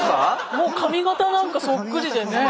もう髪型なんかそっくりでね。